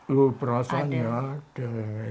lho perasaan ya ada